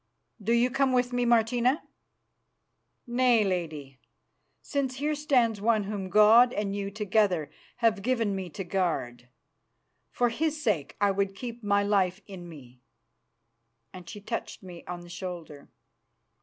Do you come with me, Martina?" "Nay, Lady, since here stands one whom God and you together have given me to guard. For his sake I would keep my life in me," and she touched me on the shoulder.